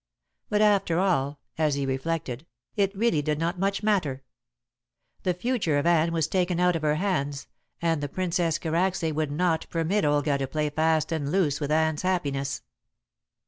But after all, as he reflected, it really did not much matter. The future of Anne was taken out of her hands, and the Princess Karacsay would not permit Olga to play fast and loose with Anne's happiness.